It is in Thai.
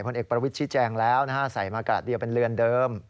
พลเอกประวิทธิ์ชิ้นแจงแล้วใส่มากระดาษเดียวเป็นเรือนเดิม